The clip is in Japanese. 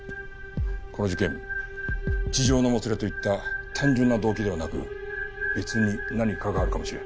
この事件痴情のもつれといった単純な動機ではなく別に何かがあるかもしれん。